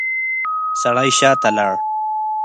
سړی شاته لاړ.